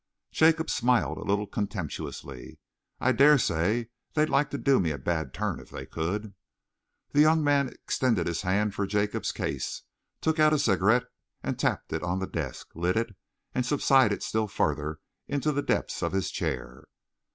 Jacob smiled a little contemptuously. "I dare say they'd like to do me a bad turn if they could!" The young man extended his hand for Jacob's case, took out a cigarette and tapped it upon the desk, lit it, and subsided still farther into the depths of his chair.